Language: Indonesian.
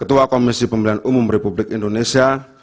ketua komisi pemilihan umum republik indonesia